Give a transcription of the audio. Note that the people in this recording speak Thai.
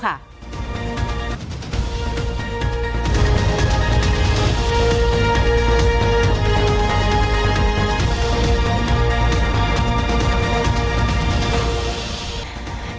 ดรทราบพลิก